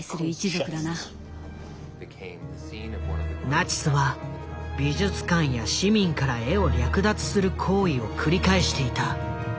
ナチスは美術館や市民から絵を略奪する行為を繰り返していた。